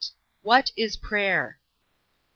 What is prayer? A.